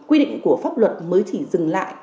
quy định của pháp luật mới chỉ dừng lại